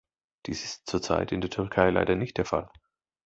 Dies ist zurzeit in der Türkei leider nicht der Fall.